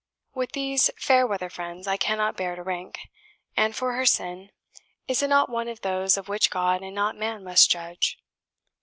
With these fair weather friends I cannot bear to rank; and for her sin, is it not one of those of which God and not man must judge?